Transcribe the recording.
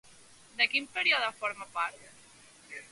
De quin període forma part?